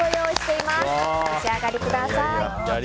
お召し上がりください。